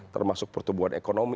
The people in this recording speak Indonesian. termasuk pertumbuhan ekonomi